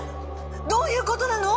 どういうことなの？